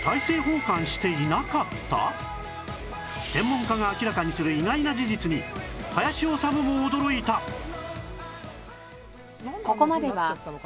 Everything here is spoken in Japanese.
専門家が明らかにする意外な事実に林修も驚いた！といえば